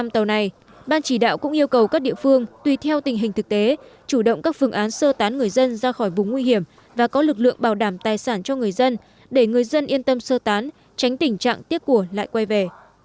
công tác chỉ đạo yêu cầu các địa phương hết sức chú ý chủ động các phương án bảo đảm tài sản cho người dân để người dân yên tâm sơ tán tránh tình trạng tiếc của lại quay về